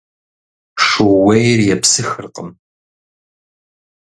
Шууейр епсыхыркъым.